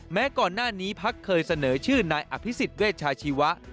แม้ก่อนหน้านี้พักเคยเสนอชื่อนายอภิษฎเวชาชีวะ